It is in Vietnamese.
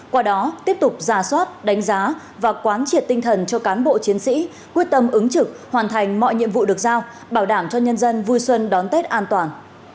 qua đó tiếp tục giả soát đánh giá và quán triệt tinh thần cho cán bộ chiến sĩ quyết tâm ứng trực hoàn thành mọi nhiệm vụ được giao bảo đảm cho nhân dân vui xuân đón tết an toàn